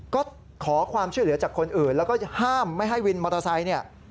ก็ขอความช่วยเหลือจากคนอื่นแล้วก็ห้ามไม่ให้วินมอเตอร์ไซค์เนี่ย